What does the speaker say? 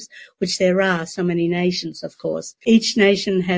yang ada begitu banyak negara tentu saja